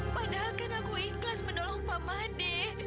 padahalkan aku ikhlas mendolong pak made